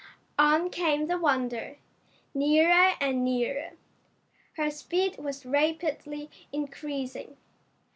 On came the Wonder, nearer and nearer. Her speed was rapidly increasing.